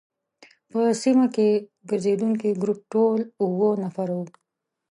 په سیمه کې ګرزېدونکي ګروپ ټول اووه نفره وو.